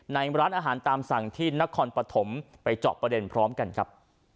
ในร้านอาหารตามสั่งที่นครปฐมไปเจาะประเด็นพร้อมกันครับ